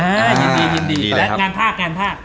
ยินดีแล้วก็งานภาค